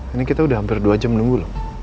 ini kita udah hampir dua jam nunggu